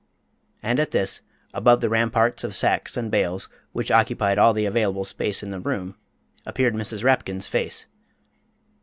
And at this, above the ramparts of sacks and bales, which occupied all the available space in the room, appeared Mrs. Rapkin's face.